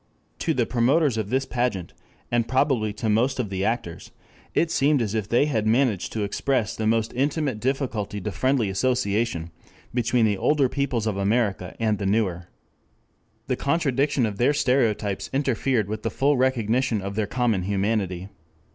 To the promoters of this pageant, and probably to most of the actors, it seemed as if they had managed to express the most intimate difficulty to friendly association between the older peoples of America and the newer. The contradiction of their stereotypes interfered with the full recognition of their common humanity.